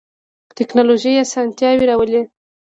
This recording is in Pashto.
تکنالوژی اسانتیا راولی